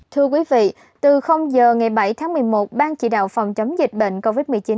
thưa quý vị từ giờ ngày bảy tháng một mươi một ban chỉ đạo phòng chống dịch bệnh covid một mươi chín